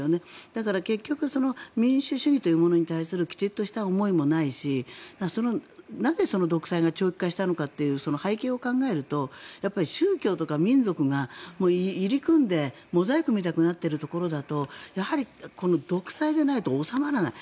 だから、結局民主主義というものに対するきちっとした思いもないしなぜその独裁が長期化したのかという背景を考えると宗教とか民族が入り組んでモザイクみたくなっているところだとやはりこの独裁でないと収まらない。